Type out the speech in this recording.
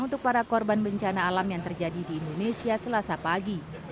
untuk para korban bencana alam yang terjadi di indonesia selasa pagi